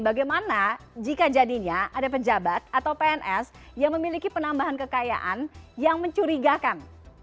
bagaimana jika jadinya ada pejabat atau pns yang memiliki penambahan kekayaan yang mencurigakan